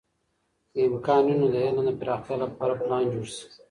که امکان وي، نو د علم د پراختیا لپاره پلان جوړ سي.